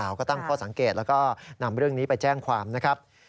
ก็ตั้งข้อสังเกตแล้วก็นำเรื่องนี้ไปแจ้งความนะครับ